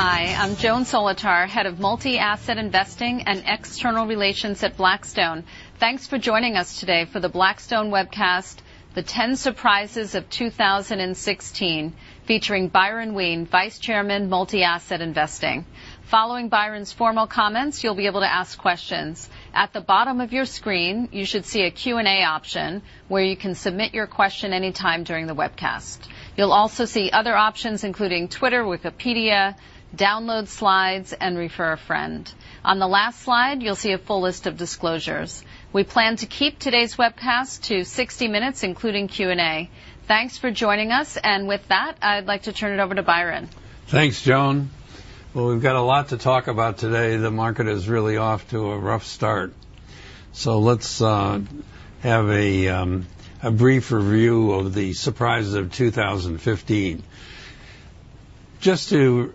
Hi, I'm Joan Solotar, Head of Multi-Asset Investing and External Relations at Blackstone. Thanks for joining us today for the Blackstone webcast, "The 10 Surprises of 2016," featuring Byron Wien, Vice Chairman, Multi-Asset Investing. Following Byron's formal comments, you'll be able to ask questions. At the bottom of your screen, you should see a Q&A option where you can submit your question any time during the webcast. You'll also see other options, including Twitter, Wikipedia, download slides, and refer a friend. On the last slide, you'll see a full list of disclosures. We plan to keep today's webcast to 60 minutes, including Q&A. Thanks for joining us. With that, I'd like to turn it over to Byron. Thanks, Joan. Well, we've got a lot to talk about today. The market is really off to a rough start. Let's have a brief review of the surprises of 2015. Just to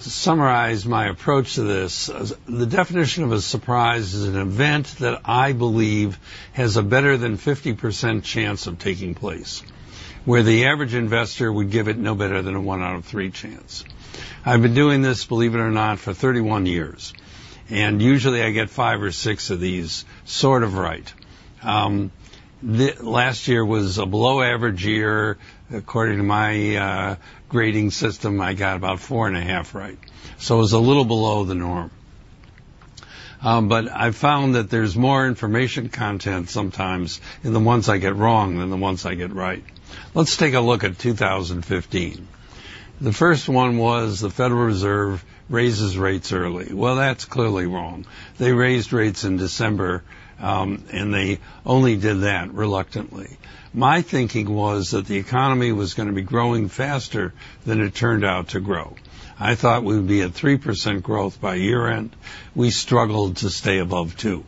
summarize my approach to this, the definition of a surprise is an event that I believe has a better than 50% chance of taking place, where the average investor would give it no better than a one out of three chance. I've been doing this, believe it or not, for 31 years. Usually I get five or six of these sort of right. Last year was a below average year. According to my grading system, I got about four and a half right. It was a little below the norm. I've found that there's more information content sometimes in the ones I get wrong than the ones I get right. Let's take a look at 2015. The first one was the Federal Reserve raises rates early. Well, that's clearly wrong. They raised rates in December. They only did that reluctantly. My thinking was that the economy was going to be growing faster than it turned out to grow. I thought we would be at 3% growth by year-end. We struggled to stay above two.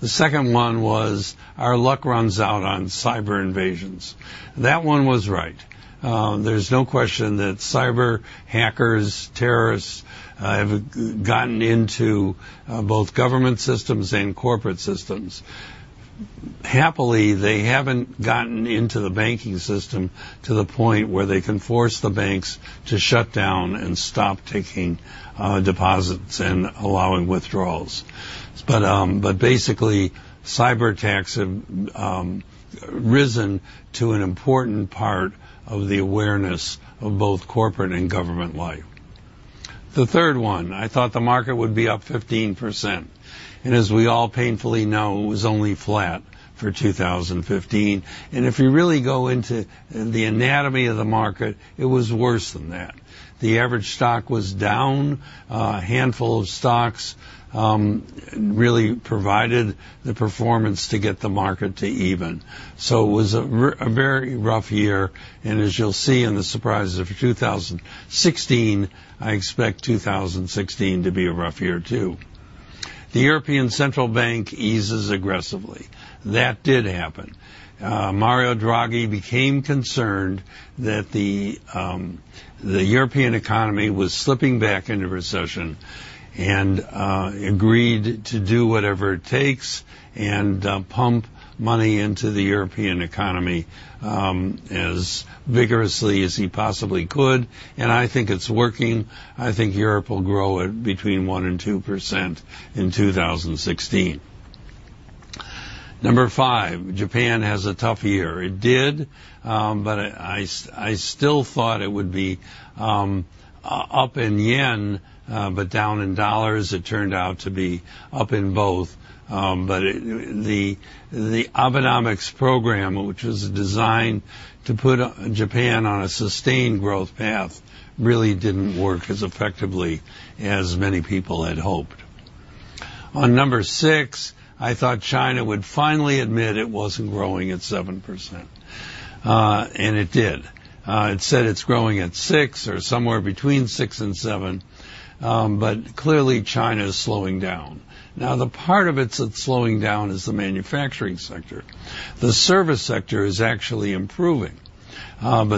The second one was our luck runs out on cyber invasions. That one was right. There's no question that cyber hackers, terrorists, have gotten into both government systems and corporate systems. Happily, they haven't gotten into the banking system to the point where they can force the banks to shut down and stop taking deposits and allowing withdrawals. Basically, cyber attacks have risen to an important part of the awareness of both corporate and government life. The third one, I thought the market would be up 15%. As we all painfully know, it was only flat for 2015. If you really go into the anatomy of the market, it was worse than that. The average stock was down. A handful of stocks really provided the performance to get the market to even. It was a very rough year. As you'll see in the surprises of 2016, I expect 2016 to be a rough year, too. The European Central Bank eases aggressively. That did happen. Mario Draghi became concerned that the European economy was slipping back into recession and agreed to do whatever it takes and pump money into the European economy as vigorously as he possibly could. I think it's working. I think Europe will grow at between one and 2% in 2016. Number five, Japan has a tough year. It did, but I still thought it would be up in yen, but down in dollars. It turned out to be up in both. The Abenomics program, which was designed to put Japan on a sustained growth path, really didn't work as effectively as many people had hoped. On number six, I thought China would finally admit it wasn't growing at 7%, and it did. It said it's growing at six or somewhere between six and seven, but clearly China is slowing down. The part of it that's slowing down is the manufacturing sector. The service sector is actually improving.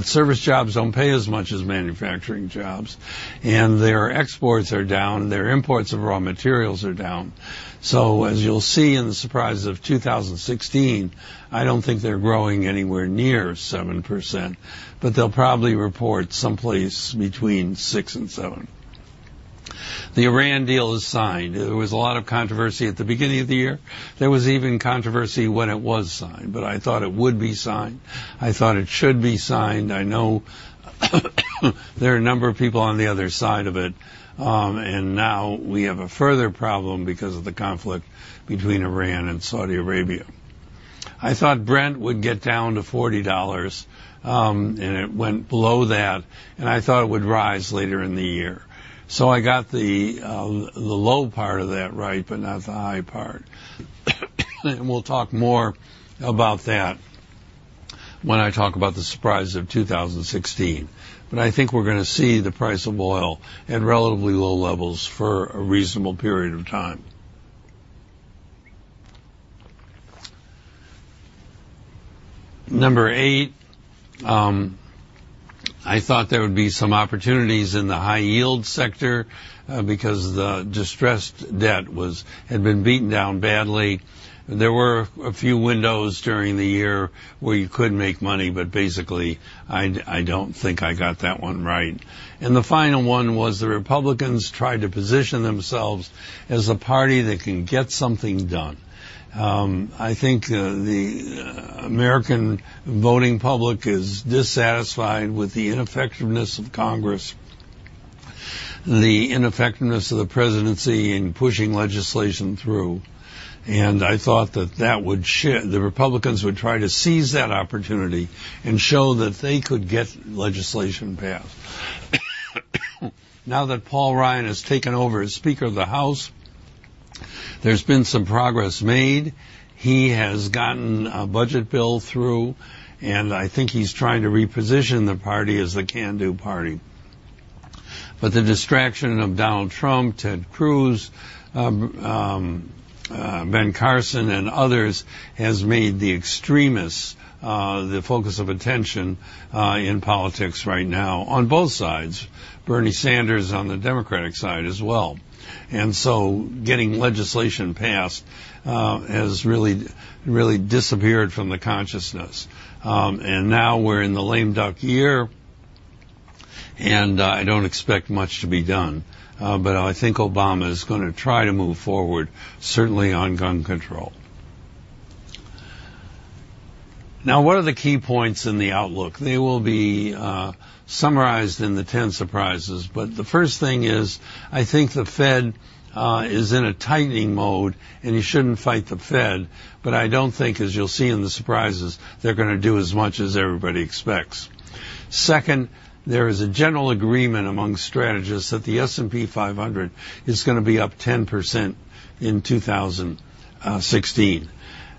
Service jobs don't pay as much as manufacturing jobs, and their exports are down. Their imports of raw materials are down. As you'll see in the surprises of 2016, I don't think they're growing anywhere near 7%, but they'll probably report someplace between six and seven. The Iran deal is signed. There was a lot of controversy at the beginning of the year. There was even controversy when it was signed. I thought it would be signed. I thought it should be signed. I know there are a number of people on the other side of it. Now we have a further problem because of the conflict between Iran and Saudi Arabia. I thought Brent would get down to $40. It went below that, and I thought it would rise later in the year. I got the low part of that right, but not the high part. We'll talk more about that when I talk about the surprises of 2016. I think we're going to see the price of oil at relatively low levels for a reasonable period of time. Number eight. I thought there would be some opportunities in the high-yield sector because the distressed debt had been beaten down badly. There were a few windows during the year where you could make money, but basically, I don't think I got that one right. The final one was the Republicans tried to position themselves as a party that can get something done. I think the American voting public is dissatisfied with the ineffectiveness of Congress, the ineffectiveness of the presidency in pushing legislation through. I thought that the Republicans would try to seize that opportunity and show that they could get legislation passed. Paul Ryan has taken over as Speaker of the House, there's been some progress made. He has gotten a budget bill through. I think he's trying to reposition the party as the can-do party. The distraction of Donald Trump, Ted Cruz, Ben Carson, and others has made the extremists the focus of attention in politics right now on both sides. Bernie Sanders on the Democratic side as well. Getting legislation passed has really disappeared from the consciousness. We're in the lame duck year, and I don't expect much to be done. I think Obama is going to try to move forward, certainly on gun control. What are the key points in the outlook? They will be summarized in the 10 surprises. The first thing is, I think the Fed is in a tightening mode, and you shouldn't fight the Fed. I don't think, as you'll see in the surprises, they're going to do as much as everybody expects. Second, there is a general agreement among strategists that the S&P 500 is going to be up 10% in 2016.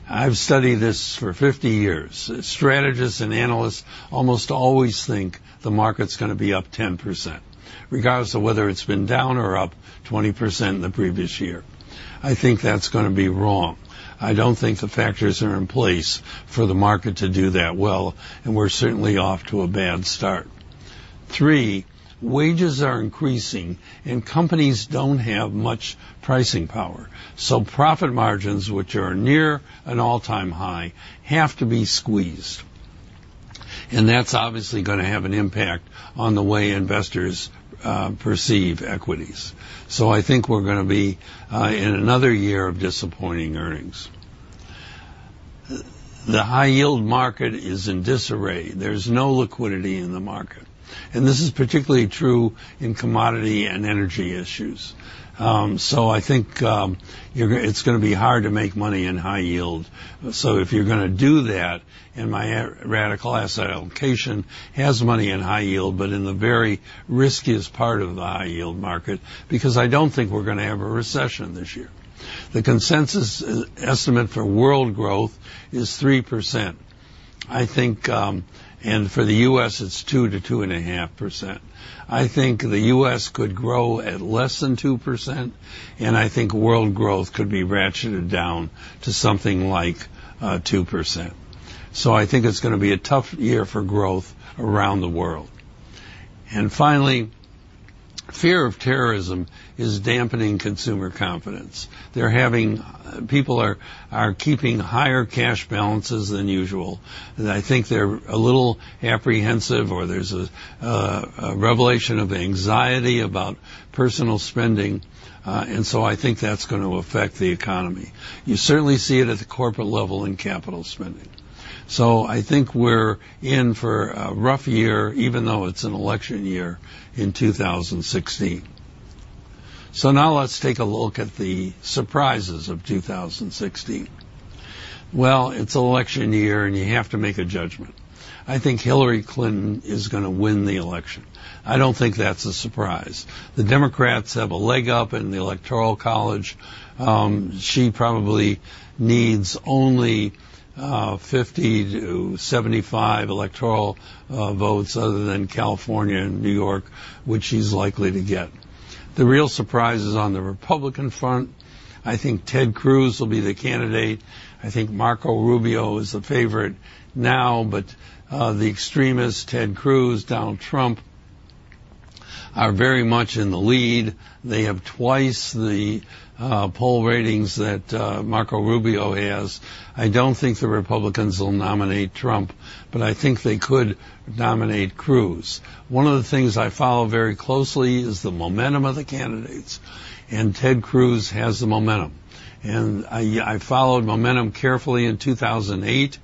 I've studied this for 50 years. Strategists and analysts almost always think the market's going to be up 10%, regardless of whether it's been down or up 20% in the previous year. I think that's going to be wrong. I don't think the factors are in place for the market to do that well, and we're certainly off to a bad start. Three, wages are increasing, and companies don't have much pricing power. Profit margins, which are near an all-time high, have to be squeezed. That's obviously going to have an impact on the way investors perceive equities. I think we're going to be in another year of disappointing earnings. The high-yield market is in disarray. There's no liquidity in the market, and this is particularly true in commodity and energy issues. I think it's going to be hard to make money in high-yield. If you're going to do that, and my radical asset allocation has money in high-yield, but in the very riskiest part of the high-yield market, because I don't think we're going to have a recession this year. The consensus estimate for world growth is 3%. For the U.S., it's 2%-2.5%. I think the U.S. could grow at less than 2%, and I think world growth could be ratcheted down to something like 2%. I think it's going to be a tough year for growth around the world. Finally, fear of terrorism is dampening consumer confidence. People are keeping higher cash balances than usual, and I think they're a little apprehensive or there's a revelation of anxiety about personal spending. I think that's going to affect the economy. You certainly see it at the corporate level in capital spending. I think we're in for a rough year, even though it's an election year in 2016. Now let's take a look at the surprises of 2016. Well, it's an election year, and you have to make a judgment. I think Hillary Clinton is going to win the election. I don't think that's a surprise. The Democrats have a leg up in the electoral college. She probably needs only 50-75 electoral votes other than California and New York, which she's likely to get. The real surprise is on the Republican front. I think Ted Cruz will be the candidate. I think Marco Rubio is the favorite now, but the extremists, Ted Cruz, Donald Trump, are very much in the lead. They have twice the poll ratings that Marco Rubio has. I don't think the Republicans will nominate Trump, but I think they could nominate Cruz. One of the things I follow very closely is the momentum of the candidates, and Ted Cruz has the momentum. I followed momentum carefully in 2008,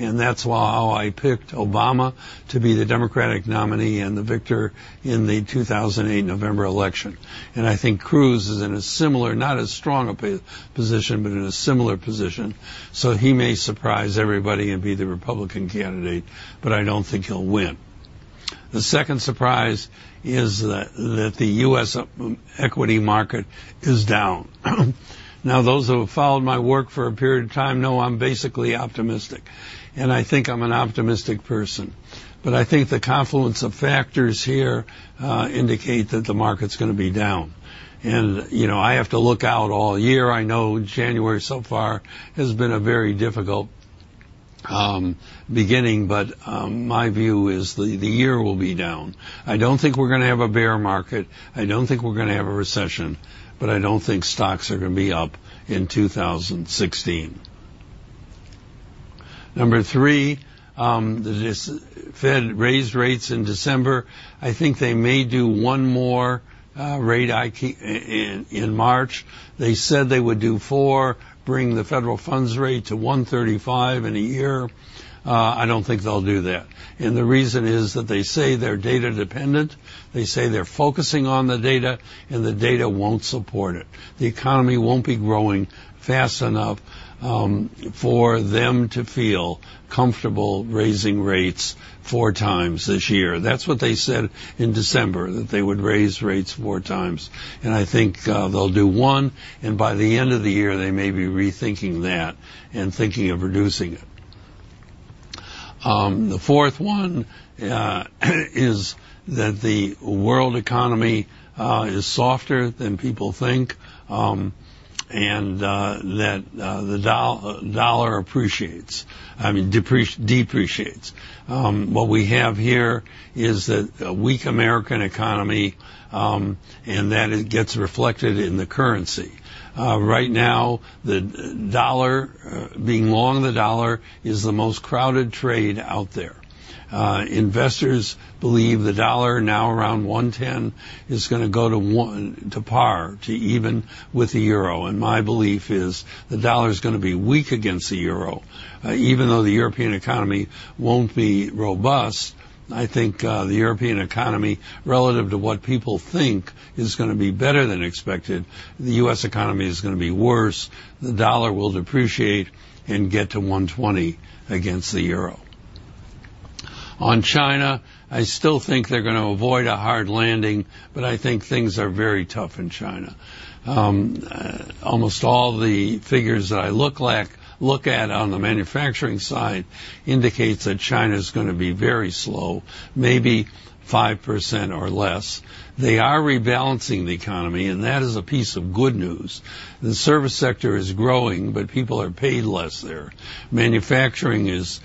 and that's how I picked Obama to be the Democratic nominee and the victor in the 2008 November election. I think Cruz is in a similar, not as strong a position, but in a similar position. He may surprise everybody and be the Republican candidate, but I don't think he'll win. The second surprise is that the U.S. equity market is down. Those who have followed my work for a period of time know I'm basically optimistic, and I think I'm an optimistic person. I think the confluence of factors here indicate that the market's going to be down. I have to look out all year. I know January so far has been a very difficult beginning, but my view is the year will be down. I don't think we're going to have a bear market, I don't think we're going to have a recession, but I don't think stocks are going to be up in 2016. Number three, the Fed raised rates in December. I think they may do one more rate hike in March. They said they would do four, bring the federal funds rate to 1.35% in a year. I don't think they'll do that, the reason is that they say they're data-dependent, they say they're focusing on the data, the data won't support it. The economy won't be growing fast enough for them to feel comfortable raising rates four times this year. That's what they said in December, that they would raise rates four times, I think they'll do one, by the end of the year, they may be rethinking that and thinking of reducing it. The fourth one is that the world economy is softer than people think, that the dollar depreciates. What we have here is a weak American economy, that it gets reflected in the currency. Right now, being long the dollar is the most crowded trade out there. Investors believe the dollar, now around 110, is going to go to par, to even with the Euro, my belief is the dollar is going to be weak against the Euro. Even though the European economy won't be robust, I think the European economy, relative to what people think, is going to be better than expected. The U.S. economy is going to be worse. The dollar will depreciate and get to 120 against the Euro. On China, I still think they're going to avoid a hard landing, I think things are very tough in China. Almost all the figures that I look at on the manufacturing side indicates that China's going to be very slow, maybe 5% or less. They are rebalancing the economy, that is a piece of good news. The service sector is growing, people are paid less there. Manufacturing is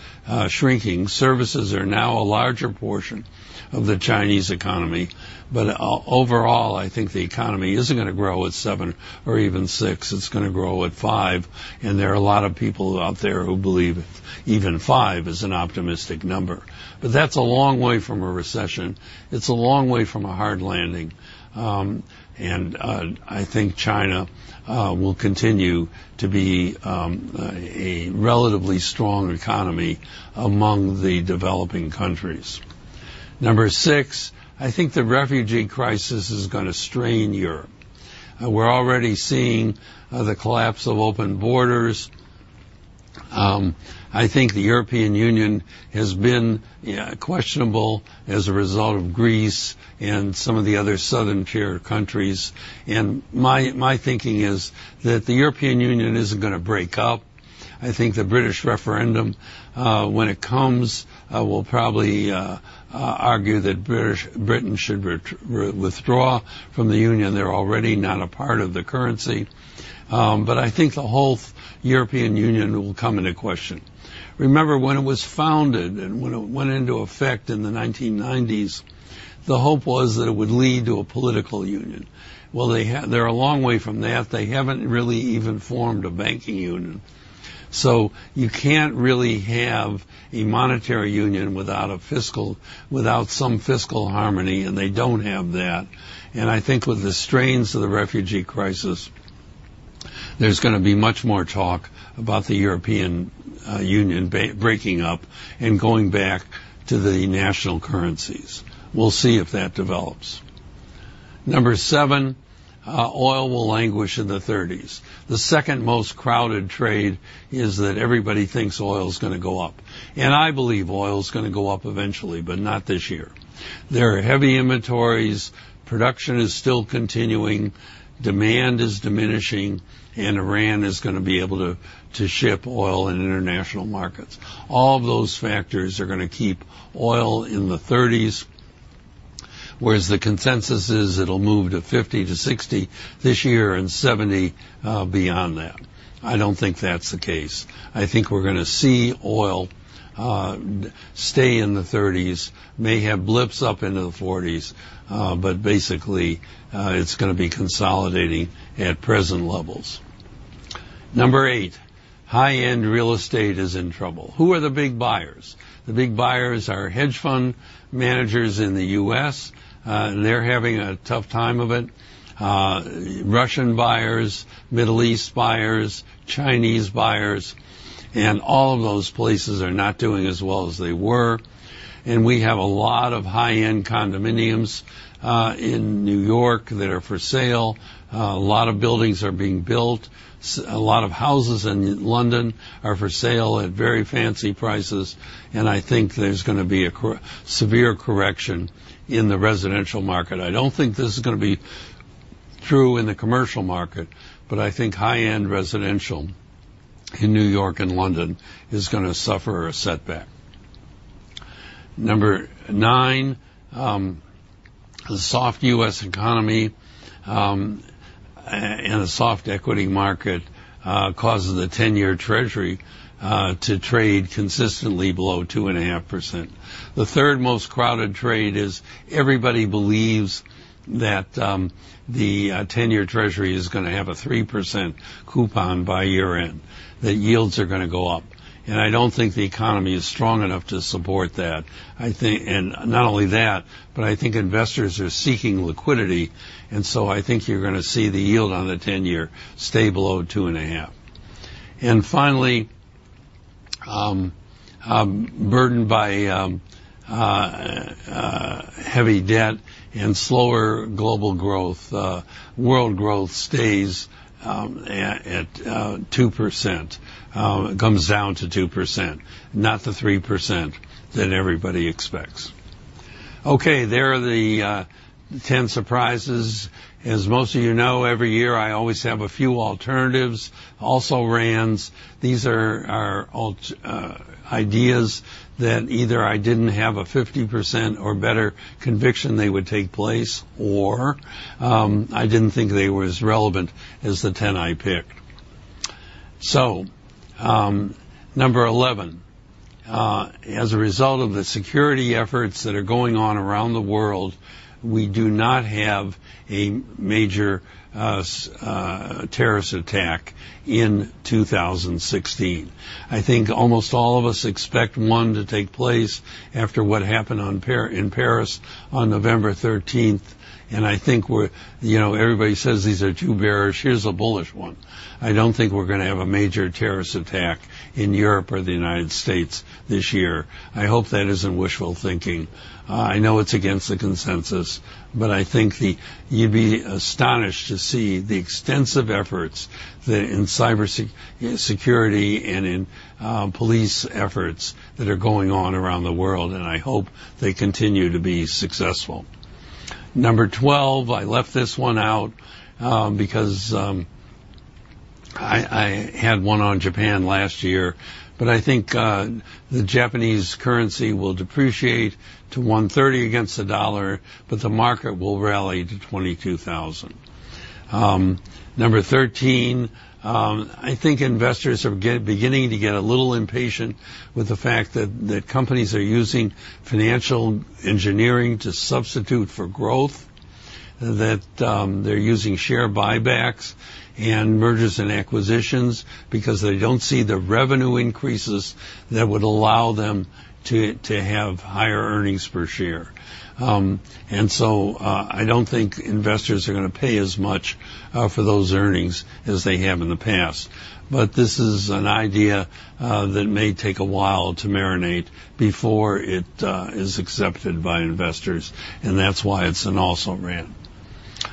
shrinking. Services are now a larger portion of the Chinese economy. Overall, I think the economy isn't going to grow at 7% or even 6%. It's going to grow at 5%, there are a lot of people out there who believe even 5% is an optimistic number. That's a long way from a recession. It's a long way from a hard landing. I think China will continue to be a relatively strong economy among the developing countries. Number six, I think the refugee crisis is going to strain Europe. We're already seeing the collapse of open borders. I think the European Union has been questionable as a result of Greece and some of the other southern tier countries. My thinking is that the European Union isn't going to break up. I think the British referendum, when it comes, will probably argue that Britain should withdraw from the Union. They're already not a part of the currency. I think the whole European Union will come into question. Remember when it was founded and when it went into effect in the 1990s, the hope was that it would lead to a political union. Well, they're a long way from that. They haven't really even formed a banking union. You can't really have a monetary union without some fiscal harmony, and they don't have that. I think with the strains of the refugee crisis, there's going to be much more talk about the European Union breaking up and going back to the national currencies. We'll see if that develops. Number seven, oil will languish in the 30s. The second most crowded trade is that everybody thinks oil is going to go up. I believe oil is going to go up eventually, but not this year. There are heavy inventories, production is still continuing, demand is diminishing, and Iran is going to be able to ship oil in international markets. All of those factors are going to keep oil in the 30s, whereas the consensus is it'll move to 50 to 60 this year and 70 beyond that. I don't think that's the case. I think we're going to see oil stay in the 30s, may have blips up into the 40s, but basically, it's going to be consolidating at present levels. Number eight, high-end real estate is in trouble. Who are the big buyers? The big buyers are hedge fund managers in the U.S. They're having a tough time of it. Russian buyers, Middle East buyers, Chinese buyers, and all of those places are not doing as well as they were, and we have a lot of high-end condominiums in New York that are for sale. A lot of buildings are being built. A lot of houses in London are for sale at very fancy prices, and I think there's going to be a severe correction in the residential market. I don't think this is going to be true in the commercial market, but I think high-end residential in New York and London is going to suffer a setback. Number nine, the soft U.S. economy and a soft equity market causes the 10-year Treasury to trade consistently below 2.5%. The third most crowded trade is everybody believes that the 10-year Treasury is going to have a 3% coupon by year-end, that yields are going to go up. I don't think the economy is strong enough to support that. Not only that, but I think investors are seeking liquidity, I think you're going to see the yield on the 10-year stay below two and a half. Finally, burdened by heavy debt and slower global growth, world growth stays at 2%, comes down to 2%, not the 3% that everybody expects. Okay. There are the 10 surprises. As most of you know, every year, I always have a few alternatives, also-rans. These are ideas that either I didn't have a 50% or better conviction they would take place, or I didn't think they were as relevant as the 10 I picked. Number 11, as a result of the security efforts that are going on around the world, we do not have a major terrorist attack in 2016. I think almost all of us expect one to take place after what happened in Paris on November 13th. I think everybody says these are too bearish. Here's a bullish one. I don't think we're going to have a major terrorist attack in Europe or the United States this year. I hope that isn't wishful thinking. I know it's against the consensus, I think you'd be astonished to see the extensive efforts in cyber security and in police efforts that are going on around the world. I hope they continue to be successful. Number 12, I left this one out because I had one on Japan last year. I think the Japanese currency will depreciate to 130 against the dollar. The market will rally to 22,000. Number 13, I think investors are beginning to get a little impatient with the fact that companies are using financial engineering to substitute for growth, that they're using share buybacks and mergers and acquisitions because they don't see the revenue increases that would allow them to have higher earnings per share. I don't think investors are going to pay as much for those earnings as they have in the past. This is an idea that may take a while to marinate before it is accepted by investors. That's why it's an also-ran.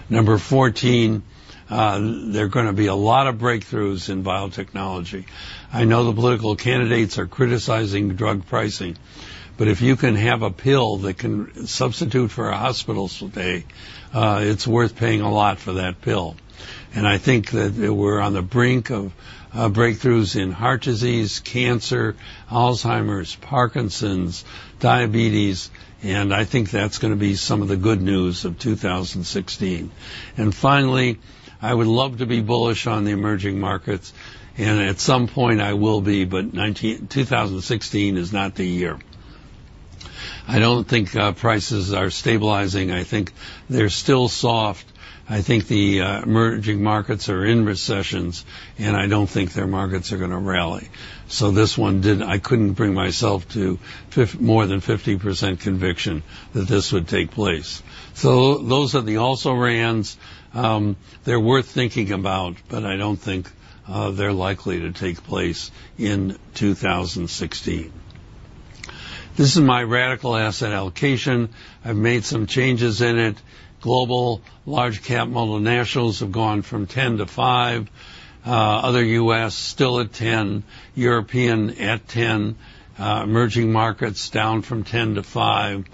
Number 14, there are going to be a lot of breakthroughs in biotechnology. I know the political candidates are criticizing drug pricing, but if you can have a pill that can substitute for a hospital stay, it's worth paying a lot for that pill. I think that we're on the brink of breakthroughs in heart disease, cancer, Alzheimer's, Parkinson's, diabetes, and I think that's going to be some of the good news of 2016. Finally, I would love to be bullish on the emerging markets, and at some point I will be, but 2016 is not the year. I don't think prices are stabilizing. I think they're still soft. I think the emerging markets are in recessions, and I don't think their markets are going to rally. This one, I couldn't bring myself to more than 50% conviction that this would take place. Those are the also-rans. They're worth thinking about, I don't think they're likely to take place in 2016. This is my radical asset allocation. I've made some changes in it. Global large-cap multinationals have gone from 10 to five. Other U.S. still at 10. European at 10. Emerging markets down from 10 to five.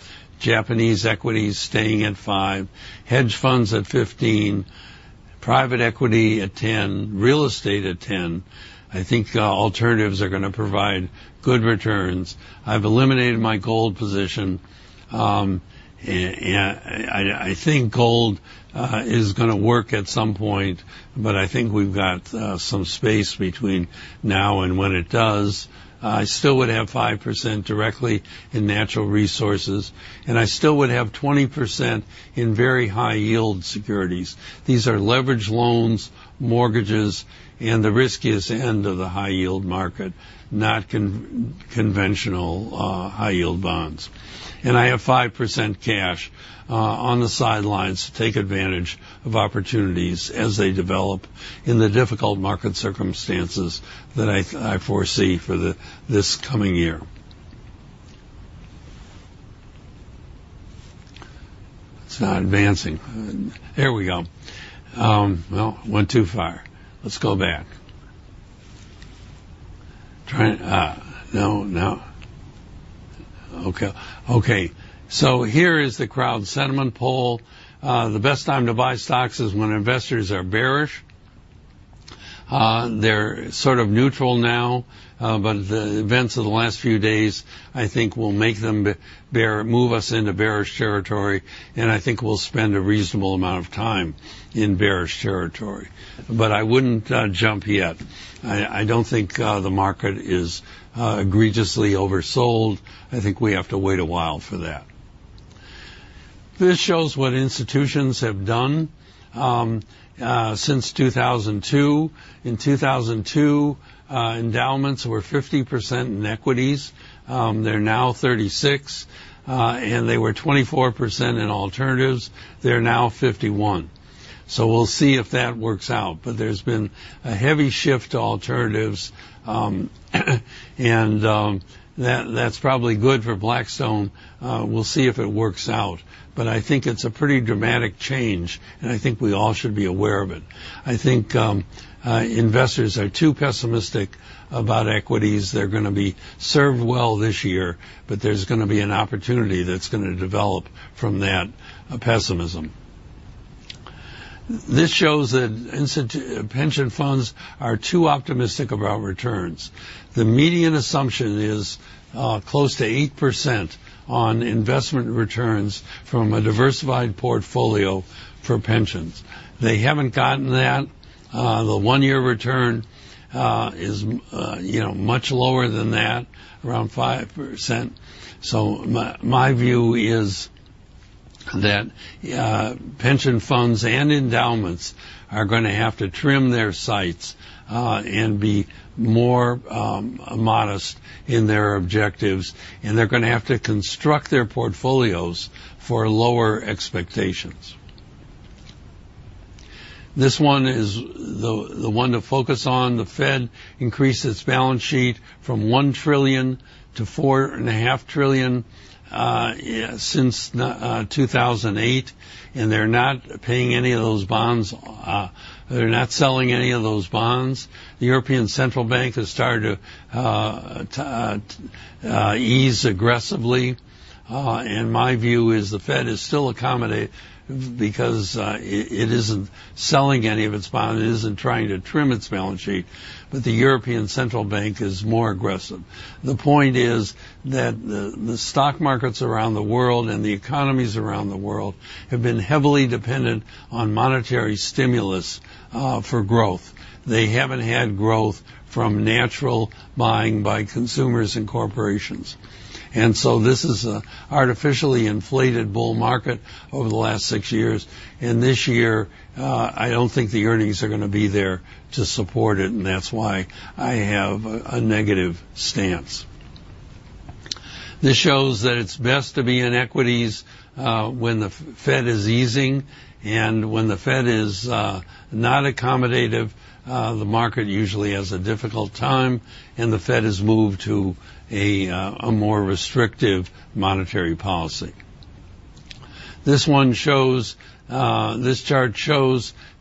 Japanese equities staying at five. Hedge funds at 15. Private equity at 10. Real estate at 10. I think alternatives are going to provide good returns. I've eliminated my gold position. I think gold is going to work at some point, I think we've got some space between now and when it does. I still would have 5% directly in natural resources, and I still would have 20% in very high-yield securities. These are leveraged loans, mortgages, and the riskiest end of the high-yield market, not conventional high-yield bonds. I have 5% cash on the sidelines to take advantage of opportunities as they develop in the difficult market circumstances that I foresee for this coming year. It's not advancing. There we go. Went too far. Let's go back. Try it. No. No. Okay. Here is the crowd sentiment poll. The best time to buy stocks is when investors are bearish. They're sort of neutral now, but the events of the last few days, I think, will make them move us into bearish territory, and I think we'll spend a reasonable amount of time in bearish territory. I wouldn't jump yet. I don't think the market is egregiously oversold. I think we have to wait a while for that. This shows what institutions have done since 2002. In 2002, endowments were 50% in equities. They're now 36, and they were 24% in alternatives. They're now 51. We'll see if that works out. There's been a heavy shift to alternatives, and that's probably good for Blackstone. We'll see if it works out. I think it's a pretty dramatic change, and I think we all should be aware of it. I think investors are too pessimistic about equities. They're going to be served well this year, There's going to be an opportunity that's going to develop from that pessimism. This shows that pension funds are too optimistic about returns. The median assumption is close to 8% on investment returns from a diversified portfolio for pensions. They haven't gotten that. The one-year return is much lower than that, around 5%. My view is that pension funds and endowments are going to have to trim their sights, and be more modest in their objectives, and they're going to have to construct their portfolios for lower expectations. This one is the one to focus on. The Fed increased its balance sheet from $1 trillion to $4.5 trillion since 2008, and they're not selling any of those bonds. The European Central Bank has started to ease aggressively. My view is the Fed is still accommodating because it isn't selling any of its bonds. It isn't trying to trim its balance sheet. The European Central Bank is more aggressive. The point is that the stock markets around the world and the economies around the world have been heavily dependent on monetary stimulus for growth. They haven't had growth from natural buying by consumers and corporations. This is an artificially inflated bull market over the last six years. This year, I don't think the earnings are going to be there to support it, and that's why I have a negative stance. This shows that it's best to be in equities when the Fed is easing. When the Fed is not accommodative, the market usually has a difficult time, and the Fed has moved to a more restrictive monetary policy. This chart shows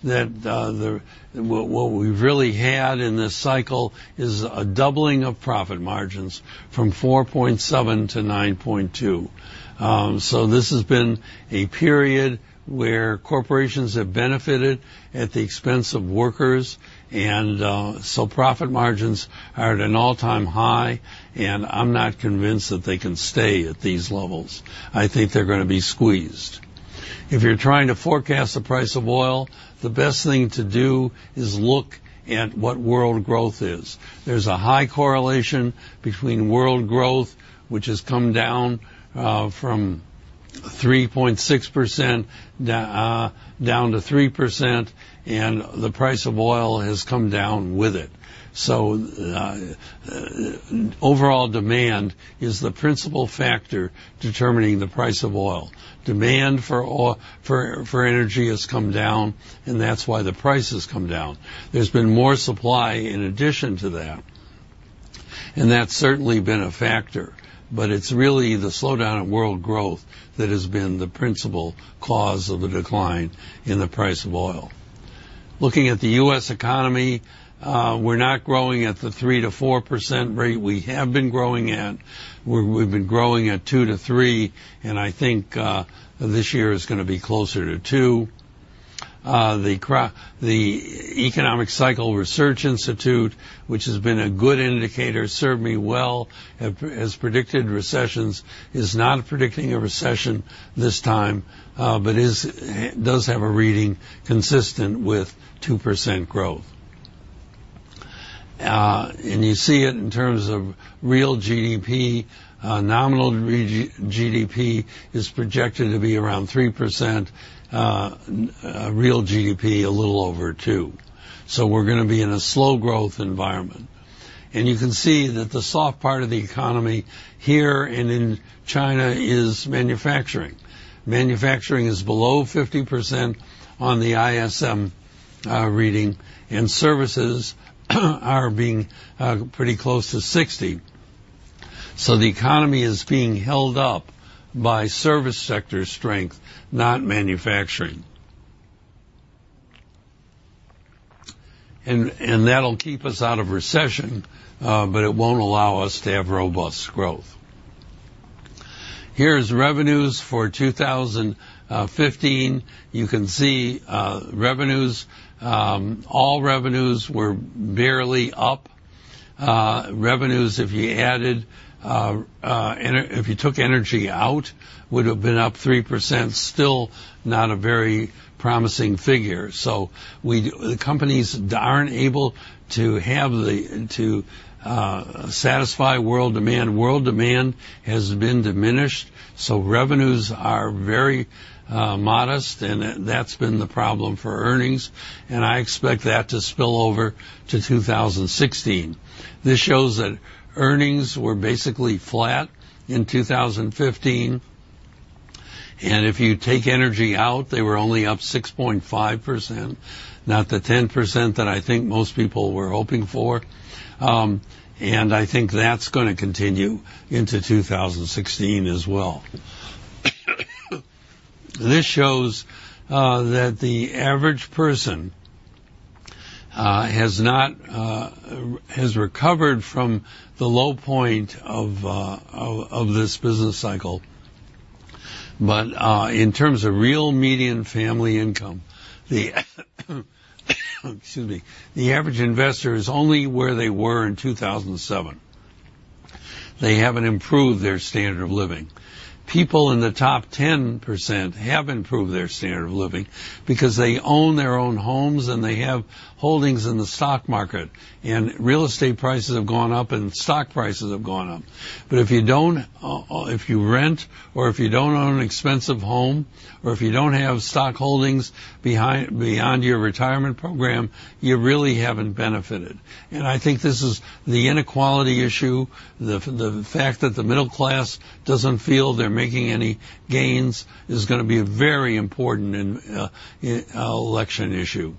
that what we've really had in this cycle is a doubling of profit margins from 4.7 to 9.2. This has been a period where corporations have benefited at the expense of workers, Profit margins are at an all-time high, and I'm not convinced that they can stay at these levels. I think they're going to be squeezed. If you're trying to forecast the price of oil, the best thing to do is look at what world growth is. There's a high correlation between world growth, which has come down from 3.6% down to 3%, and the price of oil has come down with it. Overall demand is the principal factor determining the price of oil. Demand for energy has come down, and that's why the price has come down. There's been more supply in addition to that, and that's certainly been a factor, but it's really the slowdown in world growth that has been the principal cause of the decline in the price of oil. Looking at the U.S. economy, we're not growing at the 3%-4% rate we have been growing at. We've been growing at 2%-3%, and I think this year is going to be closer to 2%. The Economic Cycle Research Institute, which has been a good indicator, served me well, has predicted recessions, is not predicting a recession this time, but does have a reading consistent with 2% growth. You see it in terms of real GDP. Nominal GDP is projected to be around 3%, real GDP a little over 2%, so we're going to be in a slow growth environment. You can see that the soft part of the economy here and in China is manufacturing. Manufacturing is below 50% on the ISM reading, and services are being pretty close to 60%. The economy is being held up by service sector strength, not manufacturing. That'll keep us out of recession, but it won't allow us to have robust growth. Here's revenues for 2015. You can see all revenues were barely up. Revenues, if you took energy out, would have been up 3%, still not a very promising figure. The companies aren't able to satisfy world demand. World demand has been diminished, so revenues are very modest, and that's been the problem for earnings. I expect that to spill over to 2016. This shows that earnings were basically flat in 2015. If you take energy out, they were only up 6.5%, not the 10% that I think most people were hoping for. I think that's going to continue into 2016 as well. This shows that the average person has recovered from the low point of this business cycle. In terms of real median family income, the excuse me, the average investor is only where they were in 2007. They haven't improved their standard of living. People in the top 10% have improved their standard of living because they own their own homes, and they have holdings in the stock market, and real estate prices have gone up, and stock prices have gone up. If you rent or if you don't own an expensive home, or if you don't have stock holdings behind your retirement program, you really haven't benefited. I think this is the inequality issue. The fact that the middle class doesn't feel they're making any gains is going to be a very important election issue.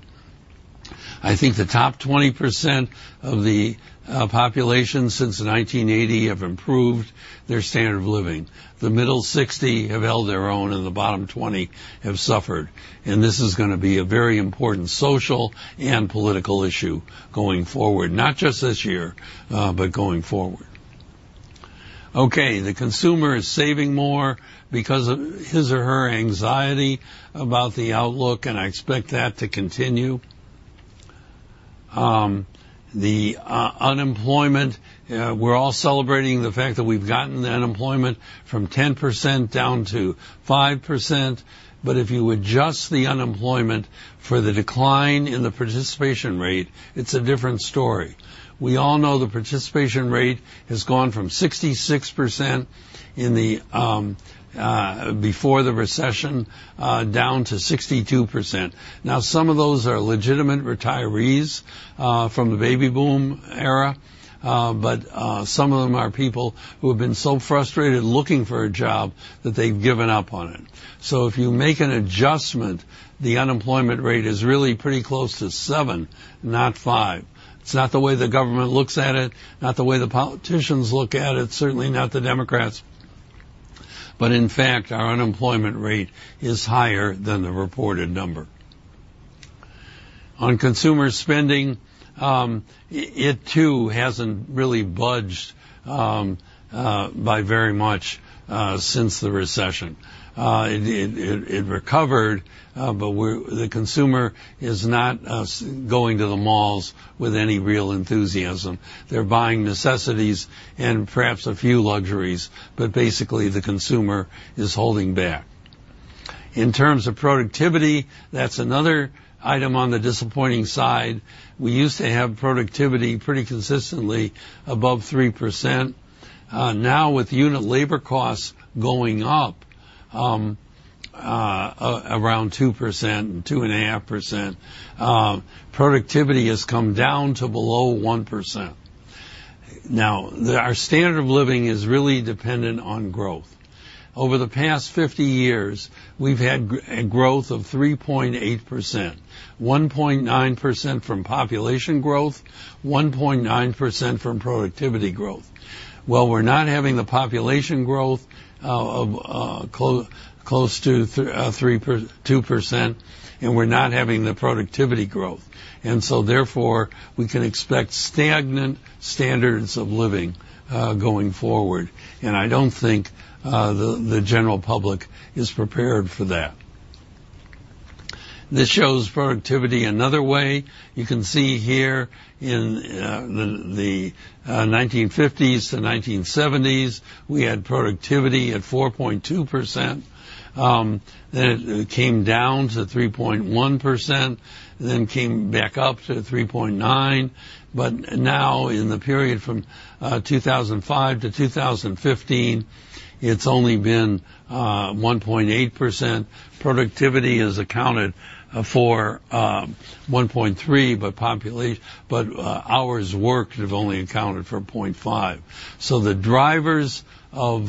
I think the top 20% of the population since 1980 have improved their standard of living. The middle 60% have held their own, and the bottom 20% have suffered. This is going to be a very important social and political issue going forward, not just this year, but going forward. Okay, the consumer is saving more because of his or her anxiety about the outlook, and I expect that to continue. The unemployment, we're all celebrating the fact that we've gotten unemployment from 10% down to 5%, but if you adjust the unemployment for the decline in the participation rate, it's a different story. We all know the participation rate has gone from 66% before the recession, down to 62%. Some of those are legitimate retirees from the baby boom era, but some of them are people who have been so frustrated looking for a job that they've given up on it. If you make an adjustment, the unemployment rate is really pretty close to 7, not 5. It's not the way the government looks at it, not the way the politicians look at it, certainly not the Democrats. In fact, our unemployment rate is higher than the reported number. On consumer spending, it too hasn't really budged by very much since the recession. It recovered, but the consumer is not going to the malls with any real enthusiasm. They're buying necessities and perhaps a few luxuries, but basically, the consumer is holding back. In terms of productivity, that's another item on the disappointing side. We used to have productivity pretty consistently above 3%. With unit labor costs going up around 2%, 2.5%, productivity has come down to below 1%. Our standard of living is really dependent on growth. Over the past 50 years, we've had growth of 3.8%, 1.9% from population growth, 1.9% from productivity growth. Well, we're not having the population growth of close to 2%, and we're not having the productivity growth. Therefore, we can expect stagnant standards of living going forward. I don't think the general public is prepared for that. This shows productivity another way. You can see here in the 1950s to 1970s, we had productivity at 4.2%, then it came down to 3.1%, then came back up to 3.9%. In the period from 2005 to 2015, it's only been 1.8%. Productivity is accounted for 1.3% by population, but hours worked have only accounted for 0.5%. The drivers of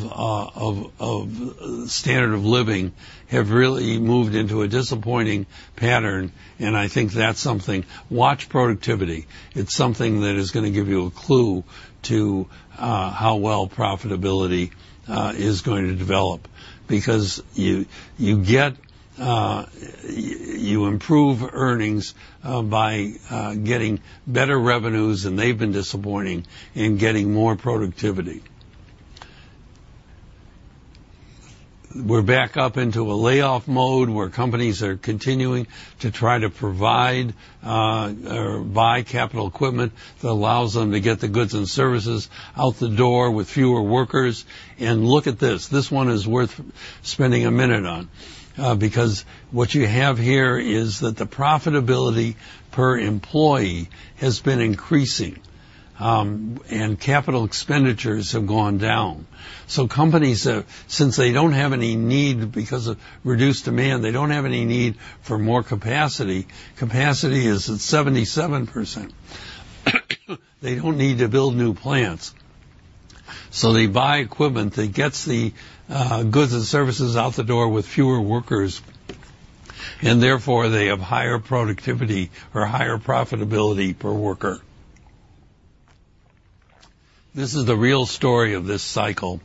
standard of living have really moved into a disappointing pattern, and I think that's something. Watch productivity. It's something that is going to give you a clue to how well profitability is going to develop because you improve earnings by getting better revenues, and they've been disappointing in getting more productivity. We're back up into a layoff mode where companies are continuing to try to provide or buy capital equipment that allows them to get the goods and services out the door with fewer workers. Look at this. This one is worth spending a minute on, because what you have here is that the profitability per employee has been increasing, and capital expenditures have gone down. Companies, since they don't have any need because of reduced demand, they don't have any need for more capacity. Capacity is at 77%. They don't need to build new plants. They buy equipment that gets the goods and services out the door with fewer workers, and therefore they have higher productivity or higher profitability per worker. This is the real story of this cycle,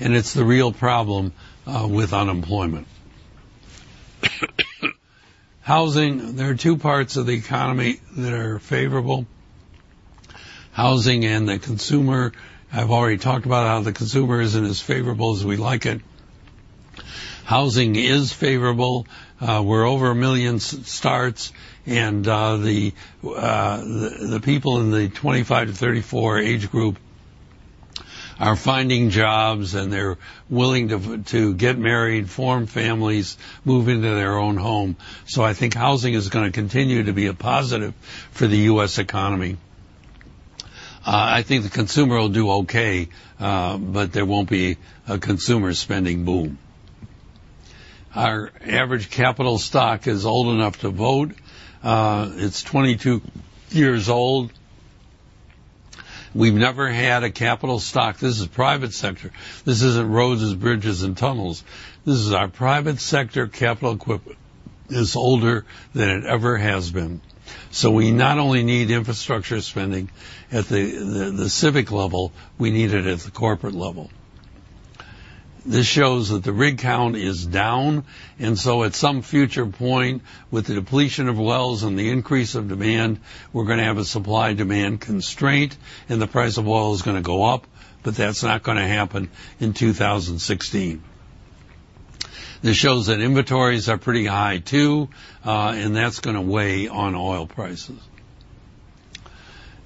and it's the real problem with unemployment. Housing. There are two parts of the economy that are favorable, housing and the consumer. I've already talked about how the consumer isn't as favorable as we like it. Housing is favorable. We're over 1 million starts, and the people in the 25 to 34 age group are finding jobs, and they're willing to get married, form families, move into their own home. I think housing is going to continue to be a positive for the U.S. economy. I think the consumer will do okay, but there won't be a consumer spending boom. Our average capital stock is old enough to vote. It's 22 years old. We've never had a capital stock. This is private sector. This isn't roads, bridges, and tunnels. This is our private sector capital equipment, is older than it ever has been. We not only need infrastructure spending at the civic level, we need it at the corporate level. This shows that the rig count is down, and so at some future point, with the depletion of wells and the increase of demand, we're going to have a supply-demand constraint, and the price of oil is going to go up, but that's not going to happen in 2016. This shows that inventories are pretty high too, and that's going to weigh on oil prices.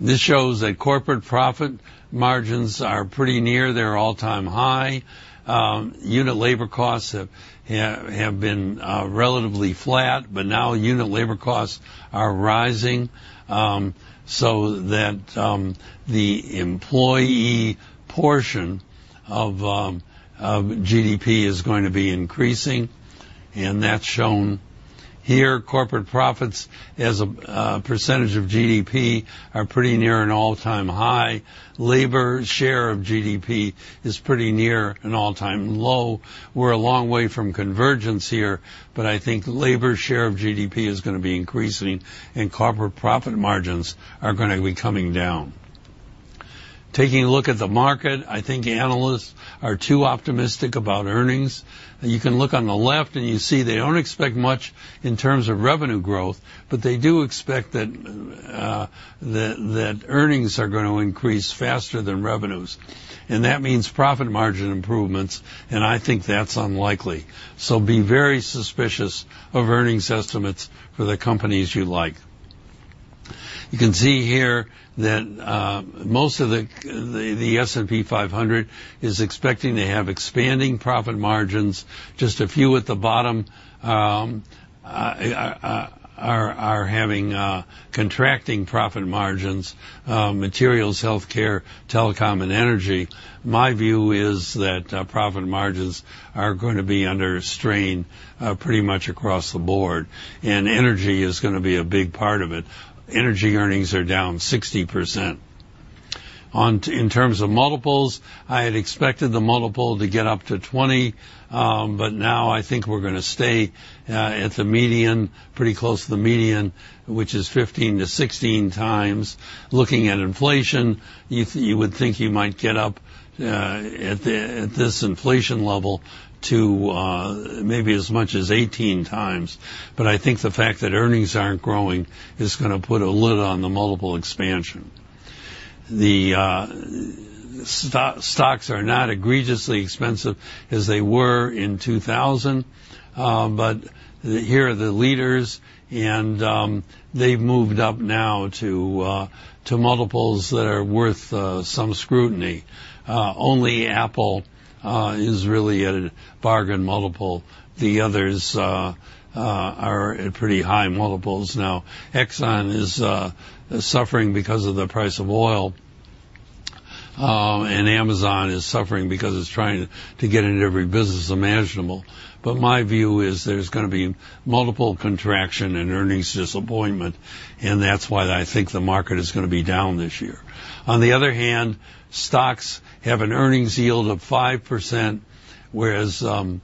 This shows that corporate profit margins are pretty near their all-time high. Unit labor costs have been relatively flat, but now unit labor costs are rising, so that the employee portion of GDP is going to be increasing, and that's shown here. Corporate profits as a % of GDP are pretty near an all-time high. Labor share of GDP is pretty near an all-time low. We're a long way from convergence here, but I think labor share of GDP is going to be increasing and corporate profit margins are going to be coming down. Taking a look at the market, I think analysts are too optimistic about earnings. You can look on the left and you see they don't expect much in terms of revenue growth. They do expect that earnings are going to increase faster than revenues, and that means profit margin improvements, and I think that's unlikely. Be very suspicious of earnings estimates for the companies you like. You can see here that most of the S&P 500 is expecting to have expanding profit margins. Just a few at the bottom are having contracting profit margins, materials, healthcare, telecom, and energy. My view is that profit margins are going to be under strain pretty much across the board, and energy is going to be a big part of it. Energy earnings are down 60%. In terms of multiples, I had expected the multiple to get up to 20. Now I think we're going to stay at the median, pretty close to the median, which is 15-16 times. Looking at inflation, you would think you might get up at this inflation level to maybe as much as 18 times. I think the fact that earnings aren't growing is going to put a lid on the multiple expansion. The stocks are not egregiously expensive as they were in 2000. Here are the leaders, and they've moved up now to multiples that are worth some scrutiny. Only Apple is really at a bargain multiple. The others are at pretty high multiples now. Exxon is suffering because of the price of oil, and Amazon is suffering because it's trying to get into every business imaginable. My view is there's going to be multiple contraction and earnings disappointment, and that's why I think the market is going to be down this year. On the other hand, stocks have an earnings yield of 5%, whereas the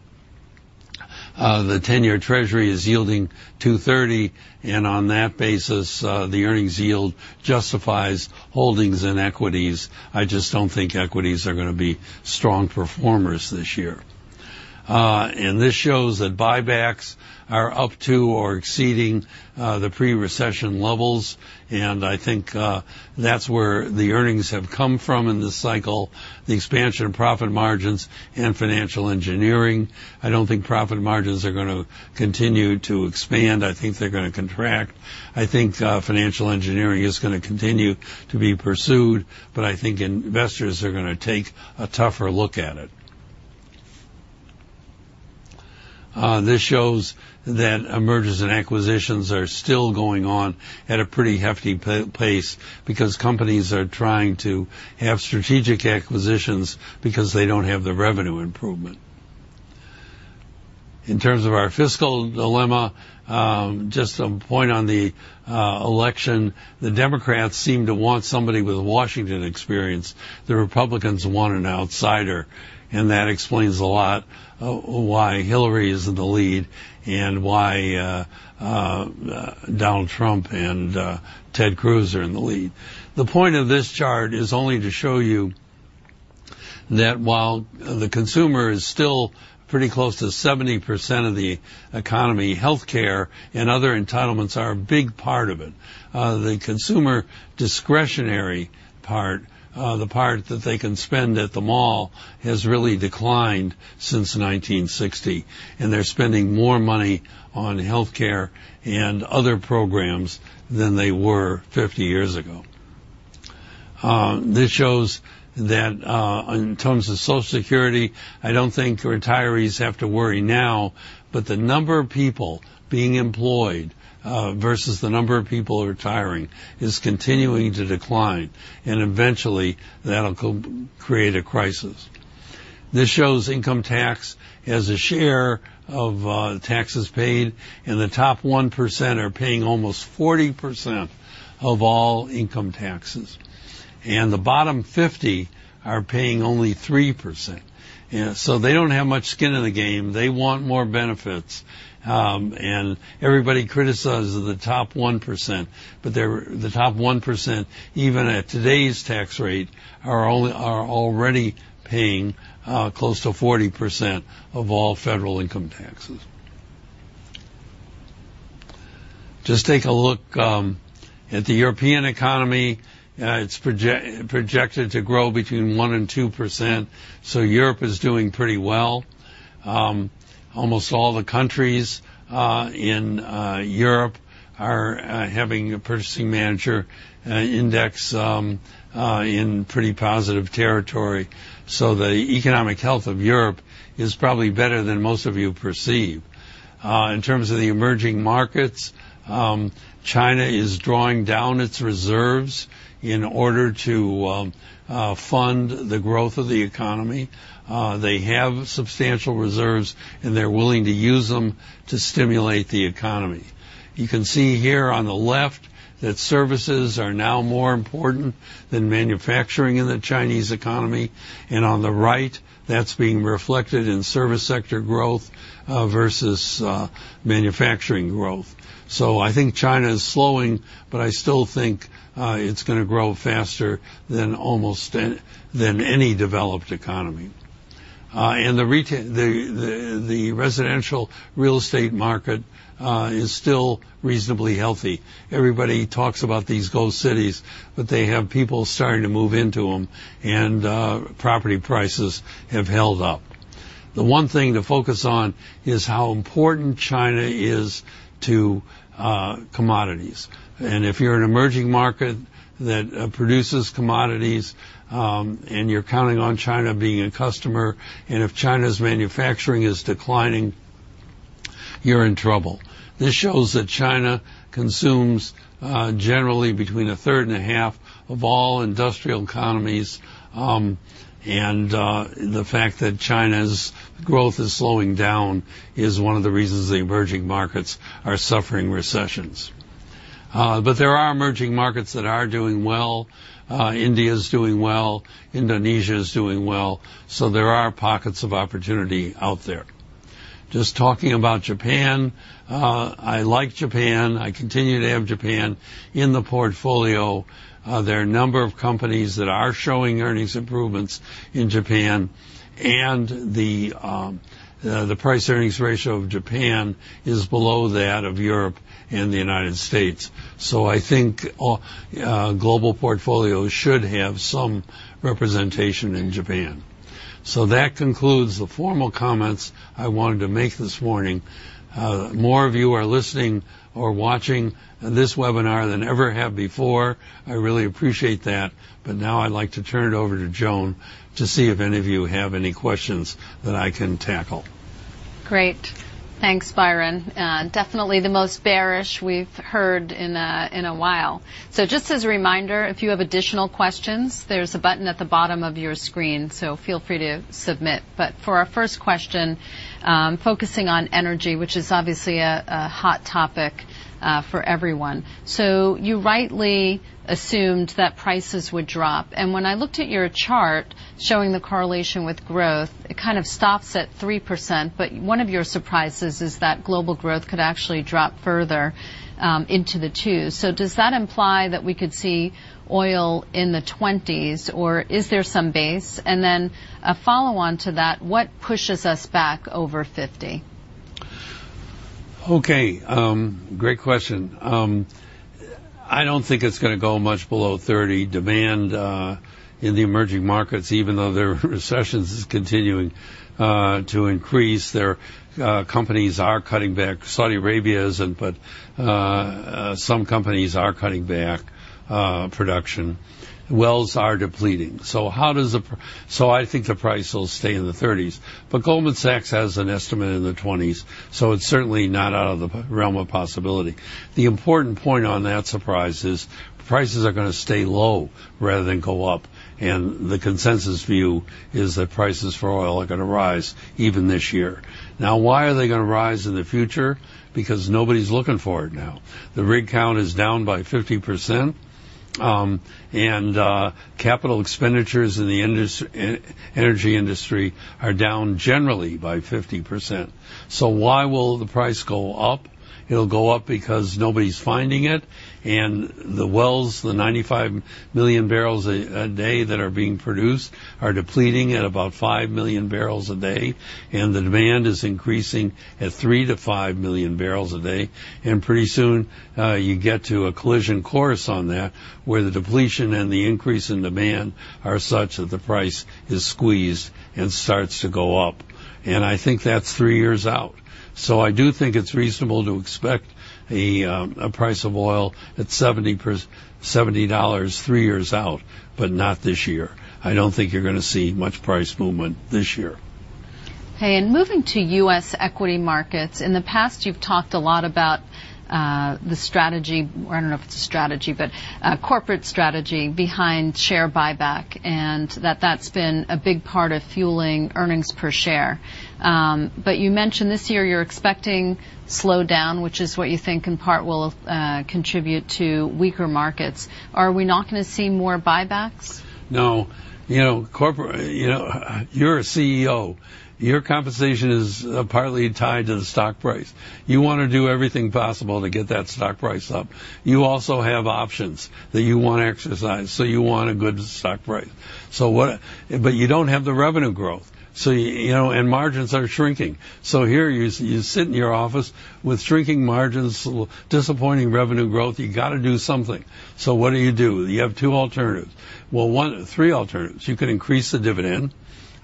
10-year Treasury is yielding 2.30, and on that basis, the earnings yield justifies holdings in equities. I just don't think equities are going to be strong performers this year. This shows that buybacks are up to or exceeding the pre-recession levels. I think that's where the earnings have come from in this cycle, the expansion of profit margins and financial engineering. I don't think profit margins are going to continue to expand. I think they're going to contract. I think financial engineering is going to continue to be pursued, but I think investors are going to take a tougher look at it. This shows that mergers and acquisitions are still going on at a pretty hefty pace because companies are trying to have strategic acquisitions because they don't have the revenue improvement. In terms of our fiscal dilemma, just some point on the election, the Democrats seem to want somebody with Washington experience. The Republicans want an outsider, and that explains a lot why Hillary is in the lead and why Donald Trump and Ted Cruz are in the lead. The point of this chart is only to show you that while the consumer is still pretty close to 70% of the economy, healthcare and other entitlements are a big part of it. The consumer discretionary part, the part that they can spend at the mall, has really declined since 1960. They're spending more money on healthcare and other programs than they were 50 years ago. This shows that, in terms of Social Security, I don't think retirees have to worry now, but the number of people being employed versus the number of people retiring is continuing to decline, and eventually that'll create a crisis. This shows income tax as a share of taxes paid, and the top 1% are paying almost 40% of all income taxes. The bottom 50 are paying only 3%. They don't have much skin in the game. They want more benefits. Everybody criticizes the top 1%, but the top 1%, even at today's tax rate, are already paying close to 40% of all federal income taxes. Just take a look at the European economy. It's projected to grow between 1% and 2%, Europe is doing pretty well. Almost all the countries in Europe are having a Purchasing Managers' Index in pretty positive territory. The economic health of Europe is probably better than most of you perceive. In terms of the emerging markets, China is drawing down its reserves in order to fund the growth of the economy. They have substantial reserves, and they're willing to use them to stimulate the economy. You can see here on the left that services are now more important than manufacturing in the Chinese economy, and on the right, that's being reflected in service sector growth versus manufacturing growth. I think China is slowing, but I still think it's going to grow faster than any developed economy. The residential real estate market is still reasonably healthy. Everybody talks about these ghost cities, but they have people starting to move into them, and property prices have held up. The one thing to focus on is how important China is to commodities. If you're an emerging market that produces commodities, and you're counting on China being a customer, and if China's manufacturing is declining, you're in trouble. This shows that China consumes generally between a third and a half of all industrial economies. The fact that China's growth is slowing down is one of the reasons the emerging markets are suffering recessions. There are emerging markets that are doing well. India's doing well. Indonesia's doing well. There are pockets of opportunity out there. Just talking about Japan, I like Japan. I continue to have Japan in the portfolio. There are a number of companies that are showing earnings improvements in Japan, and the price earnings ratio of Japan is below that of Europe and the U.S. I think global portfolios should have some representation in Japan. That concludes the formal comments I wanted to make this morning. More of you are listening or watching this webinar than ever have before. I really appreciate that. Now I'd like to turn it over to Joan to see if any of you have any questions that I can tackle. Great. Thanks, Byron. Definitely the most bearish we've heard in a while. Just as a reminder, if you have additional questions, there's a button at the bottom of your screen, so feel free to submit. For our first question, focusing on energy, which is obviously a hot topic for everyone. You rightly assumed that prices would drop. When I looked at your chart showing the correlation with growth, it kind of stops at 3%, but one of your surprises is that global growth could actually drop further into the twos. Does that imply that we could see oil in the twenties, or is there some base? Then a follow-on to that, what pushes us back over 50? Okay. Great question. I don't think it's going to go much below 30. Demand in the emerging markets, even though their recession is continuing to increase, their companies are cutting back. Saudi Arabia isn't, but some companies are cutting back production. Wells are depleting. I think the price will stay in the 30s. Goldman Sachs has an estimate in the 20s, so it's certainly not out of the realm of possibility. The important point on that surprise is prices are going to stay low rather than go up, and the consensus view is that prices for oil are going to rise even this year. Now, why are they going to rise in the future? Because nobody's looking for it now. The rig count is down by 50%, and capital expenditures in the energy industry are down generally by 50%. Why will the price go up? It'll go up because nobody's finding it, and the wells, the 95 million barrels a day that are being produced, are depleting at about five million barrels a day, and the demand is increasing at three to five million barrels a day. Pretty soon, you get to a collision course on that, where the depletion and the increase in demand are such that the price is squeezed and starts to go up. I think that's three years out. I do think it's reasonable to expect a price of oil at $70 three years out, but not this year. I don't think you're going to see much price movement this year. Moving to U.S. equity markets, in the past, you've talked a lot about the strategy, or I don't know if it's a strategy, but corporate strategy behind share buyback, and that that's been a big part of fueling earnings per share. You mentioned this year you're expecting slowdown, which is what you think in part will contribute to weaker markets. Are we not going to see more buybacks? No. You're a CEO. Your compensation is partly tied to the stock price. You want to do everything possible to get that stock price up. You also have options that you want to exercise, you want a good stock price. You don't have the revenue growth, and margins are shrinking. Here you sit in your office with shrinking margins, disappointing revenue growth. You've got to do something. What do you do? You have two alternatives. Well, three alternatives. You could increase the dividend.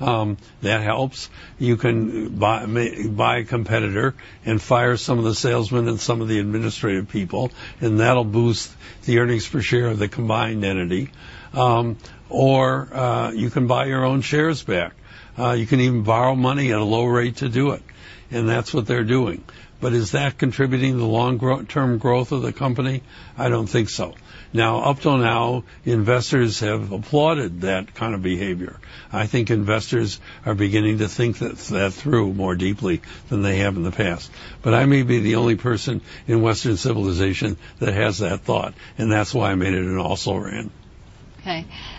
That helps. You can buy a competitor and fire some of the salesmen and some of the administrative people, and that'll boost the earnings per share of the combined entity. You can buy your own shares back. You can even borrow money at a low rate to do it, and that's what they're doing. Is that contributing to the long-term growth of the company? I don't think so. Now, up till now, investors have applauded that kind of behavior. I think investors are beginning to think that through more deeply than they have in the past. I may be the only person in Western civilization that has that thought, and that's why I made it an also-ran.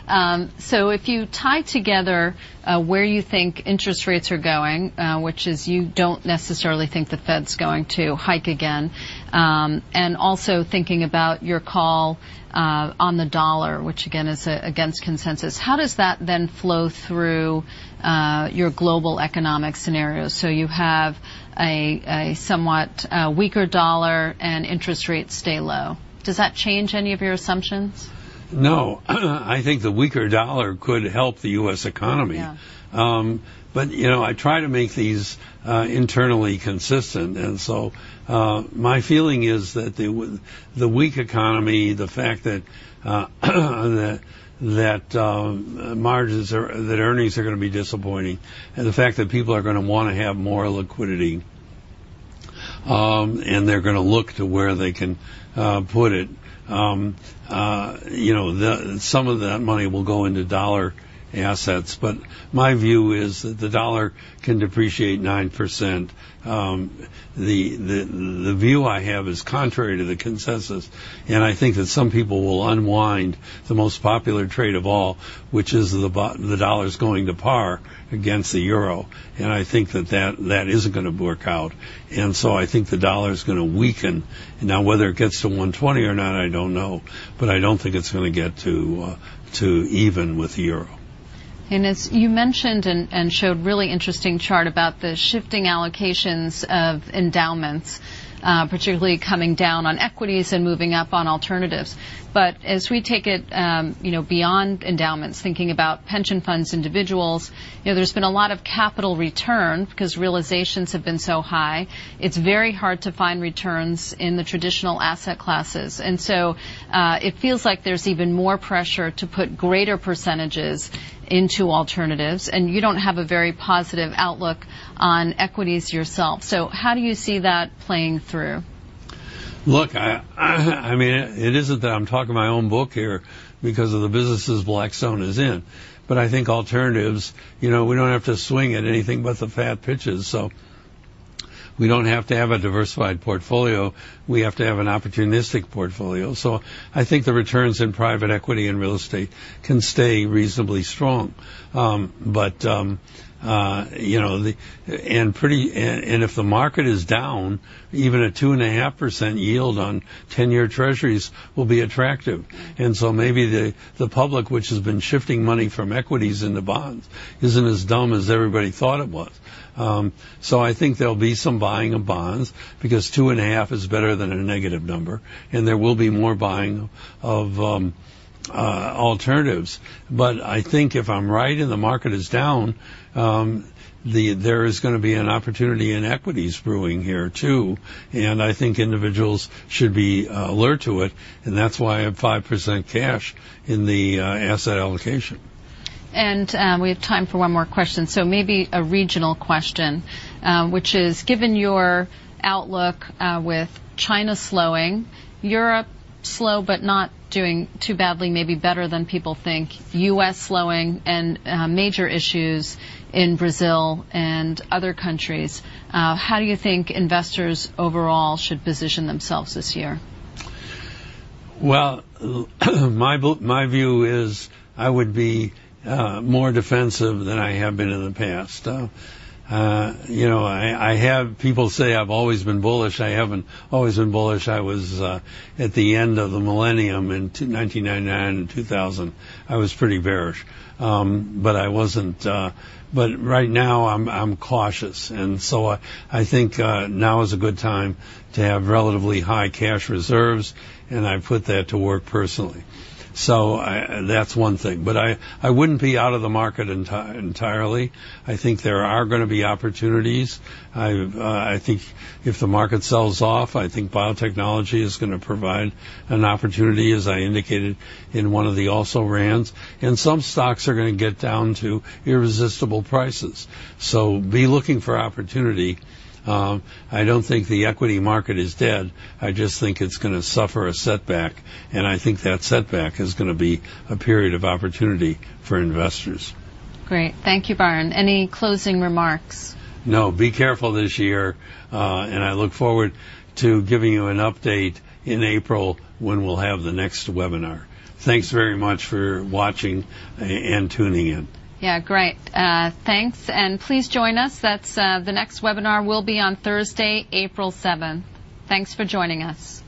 If you tie together where you think interest rates are going, which is you don't necessarily think the Fed's going to hike again, and also thinking about your call on the dollar, which again is against consensus, how does that then flow through your global economic scenario? You have a somewhat weaker dollar and interest rates stay low. Does that change any of your assumptions? No. I think the weaker dollar could help the U.S. economy. Yeah. I try to make these internally consistent, my feeling is that the weak economy, the fact that margins, that earnings are going to be disappointing, the fact that people are going to want to have more liquidity, they're going to look to where they can put it. Some of that money will go into dollar assets, my view is that the dollar can depreciate 9%. The view I have is contrary to the consensus, I think that some people will unwind the most popular trade of all, which is the dollar's going to par against the EUR, I think that that isn't going to work out. I think the dollar's going to weaken. Now, whether it gets to 120 or not, I don't know, but I don't think it's going to get to even with the EUR. As you mentioned and showed really interesting chart about the shifting allocations of endowments, particularly coming down on equities and moving up on alternatives. As we take it beyond endowments, thinking about pension funds, individuals, there's been a lot of capital return because realizations have been so high. It's very hard to find returns in the traditional asset classes. It feels like there's even more pressure to put greater % into alternatives, you don't have a very positive outlook on equities yourself. How do you see that playing through? Look, it isn't that I'm talking my own book here because of the businesses Blackstone is in. I think alternatives, we don't have to swing at anything but the fat pitches. We don't have to have a diversified portfolio. We have to have an opportunistic portfolio. I think the returns in private equity and real estate can stay reasonably strong. If the market is down, even a 2.5% yield on 10-year Treasuries will be attractive. Maybe the public, which has been shifting money from equities into bonds, isn't as dumb as everybody thought it was. I think there'll be some buying of bonds because 2.5% is better than a negative number, there will be more buying of alternatives. I think if I'm right and the market is down, there is going to be an opportunity in equities brewing here, too, and I think individuals should be alert to it, and that's why I have 5% cash in the asset allocation. We have time for one more question, so maybe a regional question, which is, given your outlook with China slowing, Europe slow but not doing too badly, maybe better than people think, U.S. slowing, and major issues in Brazil and other countries, how do you think investors overall should position themselves this year? Well, my view is I would be more defensive than I have been in the past. People say I've always been bullish. I haven't always been bullish. At the end of the millennium in 1999 and 2000, I was pretty bearish. Right now, I'm cautious, and I think now is a good time to have relatively high cash reserves, and I've put that to work personally. That's one thing. I wouldn't be out of the market entirely. I think there are going to be opportunities. I think if the market sells off, I think biotechnology is going to provide an opportunity, as I indicated in one of the Also Rans. Some stocks are going to get down to irresistible prices. Be looking for opportunity. I don't think the equity market is dead, I just think it's going to suffer a setback, and I think that setback is going to be a period of opportunity for investors. Great. Thank you, Byron. Any closing remarks? No. Be careful this year, and I look forward to giving you an update in April when we'll have the next webinar. Thanks very much for watching and tuning in. Yeah, great. Thanks, and please join us. The next webinar will be on Thursday, April 7th. Thanks for joining us.